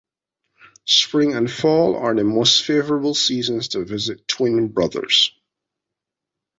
Spring and fall are the most favorable seasons to visit Twin Brothers.